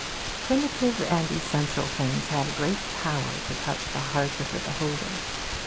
Primitive and essential things have great power to touch the heart of the beholder.